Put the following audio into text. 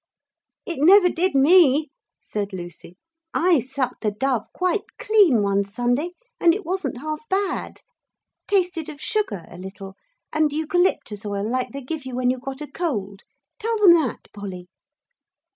'It never did me,' said Lucy. 'I sucked the dove quite clean one Sunday, and it wasn't half bad. Tasted of sugar a little and eucalyptus oil like they give you when you've got a cold. Tell them that, Polly.'